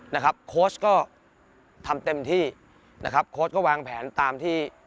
โค้ชก็ทำเต็มที่นะครับโค้ชก็วางแผนตามที่